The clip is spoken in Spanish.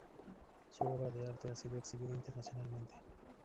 Su obra de arte ha sido exhibida internacionalmente.